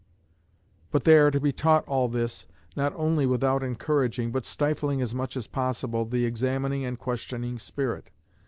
But they are to be taught all this, not only without encouraging, but stifling as much as possible, the examining and questioning spirit.